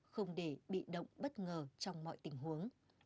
không để bị động bất ngờ trong mọi tình huống